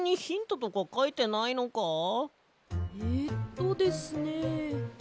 えっとですね